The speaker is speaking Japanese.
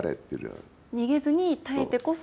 逃げずに耐えてこそ。